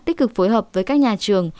tích cực phối hợp với các nhà trường